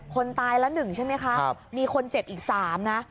คนตายละ๑ใช่ไหมคะมีคนเจ็บอีก๓นะ